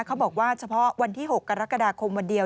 เขาบอกว่าเฉพาะวันที่๖กรกฎาคมวันเดียว